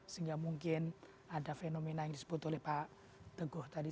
sehingga mungkin ada fenomena yang disebut oleh pak teguh tadi